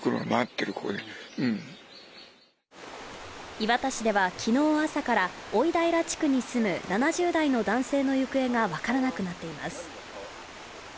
磐田市では昨日朝から大平地区に住む７０代の男性の行方が分からなくなっています。